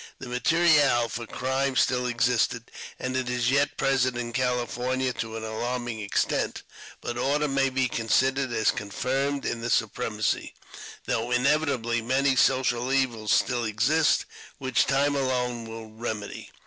The materiel for crime still existed, and is yet present in California to an alarming extent ; but order may be considered as confirmed in the supremacy, though inevitably many social evils still exist, which time alone will remedy.